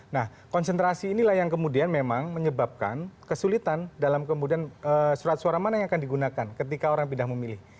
nah konsentrasi inilah yang kemudian memang menyebabkan kesulitan dalam kemudian surat suara mana yang akan digunakan ketika orang pindah memilih